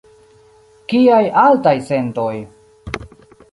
Kiaj altaj sentoj!